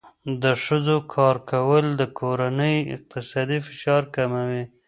د ښځو کار کول د کورنۍ اقتصادي فشار کموي.